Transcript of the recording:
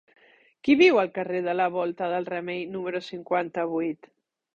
Qui viu al carrer de la Volta del Remei número cinquanta-vuit?